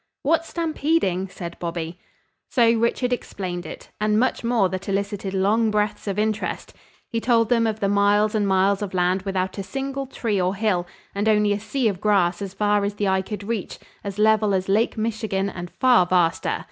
"What's stampeding?" said Bobby. So Richard explained it, and much more that elicited long breaths of interest. He told them of the miles and miles of land without a single tree or hill, and only a sea of grass as far as the eye could reach, as level as Lake Michigan, and far vaster.